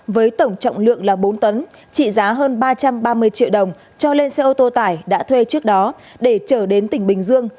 với tổng trọng lượng là bốn tấn trị giá hơn ba trăm ba mươi triệu đồng cho lên xe ô tô tải đã thuê trước đó để trở đến tỉnh bình dương